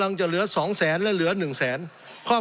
สงบจนจะตายหมดแล้วครับ